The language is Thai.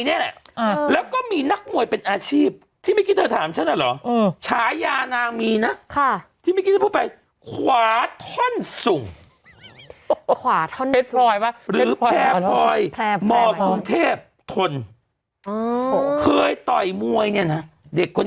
นางมวยอย่างที่บอกว่านางไม่จำเป็นนางเป็นเทรนเนอร์